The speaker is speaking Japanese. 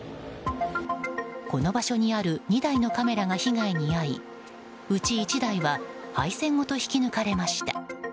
この場所にある２台のカメラが被害に遭いうち１台は配線ごと引き抜かれました。